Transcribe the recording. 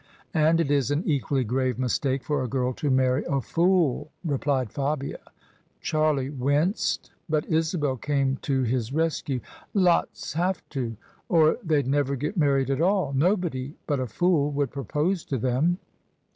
" And it is an equally grave mistake for a girl to marry a fool," replied Fabia. Charlie winced, but Isabel came to his rescue. "Lots have to, or they'd never get married at all. Nobody but a fool would propose to them."